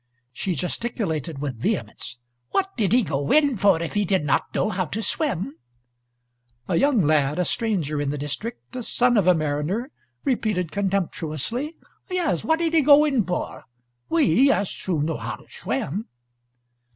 '" She gesticulated with vehemence. "What did he go in for, if he did not know how to swim ?" A young lad, a stranger in the district, the son of a mariner, repeated contemptuously, "Yes, what did he go in for? We, yes, who know how to swim